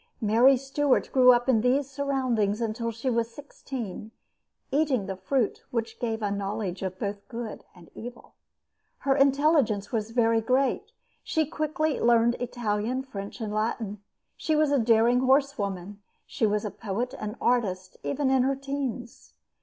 Mary Stuart grew up in these surroundings until she was sixteen, eating the fruit which gave a knowledge of both good and evil. Her intelligence was very great. She quickly learned Italian, French, and Latin. She was a daring horsewoman. She was a poet and an artist even in her teens.